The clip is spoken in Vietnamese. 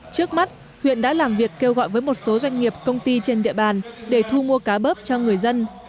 trước mắt huyện đã làm việc kêu gọi với một số doanh nghiệp công ty trên địa bàn để thu mua cá bớp cho người dân